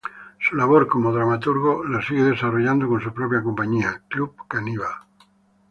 Su labor como dramaturgo la sigue desarrollando con su propia compañía, Club Caníbal.